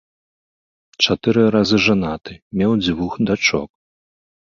Чатыры разы жанаты, меў дзвюх дачок.